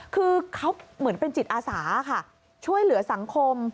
คือเขาเหมือนเป็นจิตอาสาค่ะช่วยเหลือสังคม